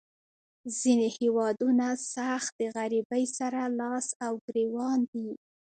ځینې هیوادونه سخت د غریبۍ سره لاس او ګریوان دي.